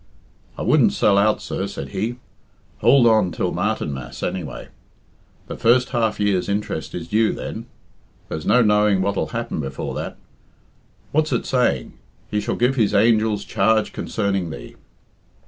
"I wouldn't sell out, sir," said he. "Hould on till Martinmas, anyway. The first half year's interest is due then. There's no knowing what'll happen before that. What's it saying, 'He shall give His angels charge concerning thee.'